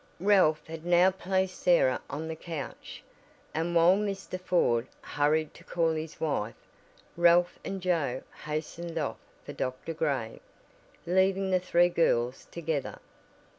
Ralph had now placed Sarah on the couch, and "while Mr. Ford hurried to call his wife, Ralph and Joe hastened off for Dr. Gray, leaving the three girls together.